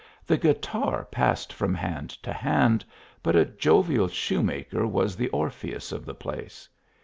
The guitar passed from hand to hand, but a jovial shoemaker was the Orpjieus_of the place.